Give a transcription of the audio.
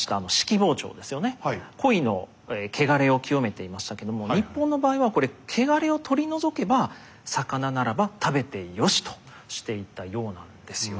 コイの穢れを清めていましたけども日本の場合はこれ穢れを取り除けば魚ならば食べてよしとしていたようなんですよはい。